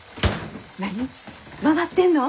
何回ってんの？